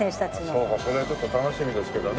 そうかそれはちょっと楽しみですけどね。